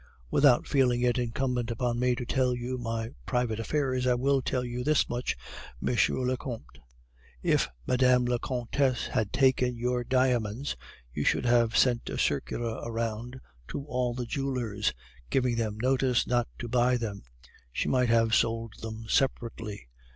"'Without feeling it incumbent upon me to tell you my private affairs, I will tell you this much M. le Comte if Mme. la Comtesse has taken your diamonds, you should have sent a circular around to all the jewelers, giving them notice not to buy them; she might have sold them separately.